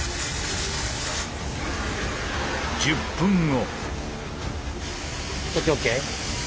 １０分後。